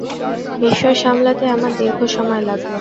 বিস্ময় সামলাতে আমার দীর্ঘ সময় লাগল।